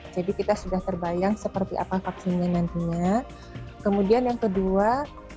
jadi kita sudah terbayangkan bahwa ini adalah vaksin yang sudah dikonsumsi oleh penyakit jadi kita sudah bisa menggunakan vaksin ini